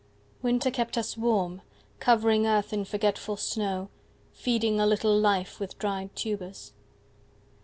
Winter kept us warm, covering 5 Earth in forgetful snow, feeding A little life with dried tubers.